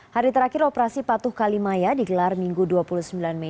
hari terakhir operasi patuh kalimaya digelar minggu dua puluh sembilan mei